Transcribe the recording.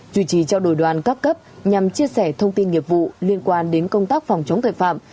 chủ trì trao đổi đoàn các cấp nhằm chia sẻ thông tin nghiệp vụ liên quan đến công tác phòng chống tội phạm